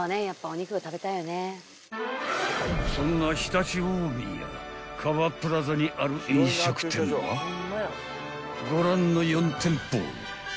［そんな常陸大宮かわプラザにある飲食店はご覧の４店舗］